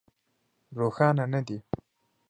روښانه نه دي.